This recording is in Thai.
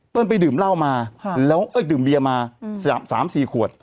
อืมต้นไปดื่มเหล้ามาค่ะแล้วเอ้ยดื่มเบียนมาอืมสามสี่ขวด